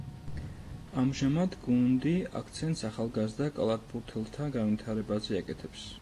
ამჟამად გუნდი აქცენტს ახალგაზრდა კალათბურთელთა განვითარებაზე აკეთებს.